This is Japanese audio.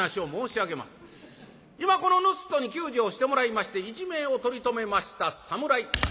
今このぬすっとに給仕をしてもらいまして一命を取り留めました侍。